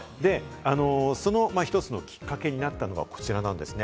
その一つのきっかけになったのはこちらなんですね。